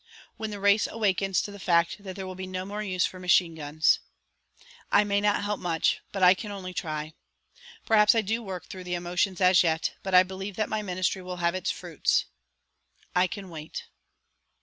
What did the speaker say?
When the race awakens to that fact there will be no more use for machine guns. I may not help much, but I can only try. Perhaps I do only work through the emotions as yet, but I believe that my ministry will have its fruits. I can wait."